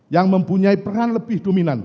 yang mempunyai peran lebih dominan